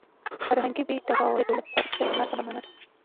فرهنګي بې تفاوتي د ټولنې د فکري مرګ په مانا ده.